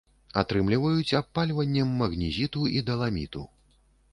Атрымліваюць абпальваннем магнезіту і даламіту.